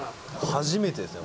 初めてですよ。